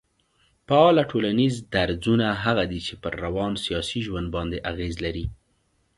فعاله ټولنيز درځونه هغه دي چي پر روان سياسي ژوند باندي اغېز لري